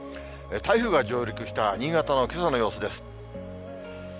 台風が上陸した新潟のけさの様子です。